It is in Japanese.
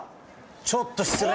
ちょっと失礼。